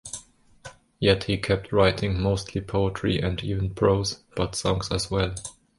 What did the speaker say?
Yet he kept writing, mostly poetry and even prose, but songs as well.